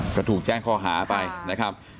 ก็ถูกแจ้งข้อหาไปนะครับ